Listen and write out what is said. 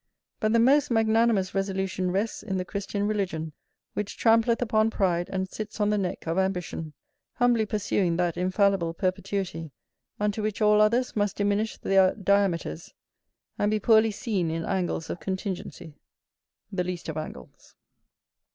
But the most magnanimous resolution rests in the Christian religion, which trampleth upon pride and sits on the neck of ambition, humbly pursuing that infallible perpetuity, unto which all others must diminish their diameters, and be poorly seen in angles of contingency.[BY] [BY] The least of angles.